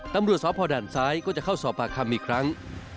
ตำรวจสพด่านซ้ายก็จะเข้าสอบปากคำอีกครั้ง